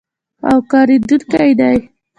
او کارېدونکی دی.